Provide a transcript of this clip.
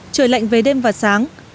trời lạnh về đêm và sáng